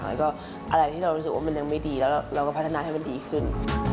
แล้วก็อะไรที่เรารู้สึกว่ามันยังไม่ดีแล้วเราก็พัฒนาให้มันดีขึ้น